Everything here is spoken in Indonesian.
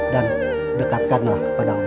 dan dekatkanlah kepada allah